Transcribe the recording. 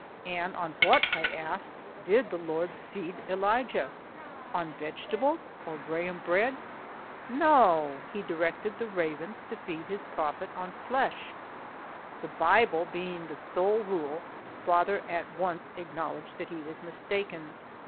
And on what, I asked, did the Lord feed Elijah? On vegetables or graham bread? No, he directed the ravens to feed his prophet on flesh. The Bible being the sole rule, father at once acknowledged that he was mistaken.